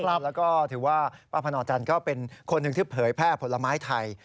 ครับแล้วก็ถือว่าป้าพนจันก็เป็นคนที่เผยแพร่ผลไม้ไทย